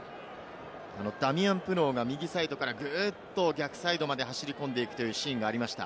ダミアン・プノーが右サイドからグッと逆サイドまで走り込んでいくというシーンがありました。